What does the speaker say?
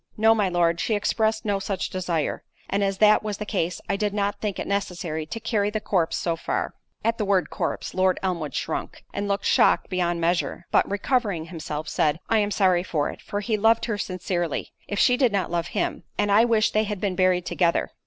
"No, my Lord—she expressed no such desire; and as that was the case, I did not think it necessary to carry the corpse so far." At the word corpse, Lord Elmwood shrunk, and looked shocked beyond measure—but recovering himself, said, "I am sorry for it; for he loved her sincerely, if she did not love him—and I wish they had been buried together."